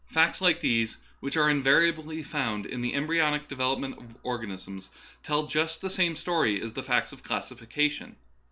Facts like these, which are invariably found in the embryonic development of organisms, tell just the same story as the facts of classification.